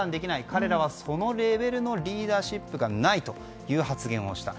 彼らはそのレベルのリーダーシップがないという発言をした。